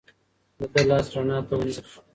د ده لاس رڼا ته ونیول شو.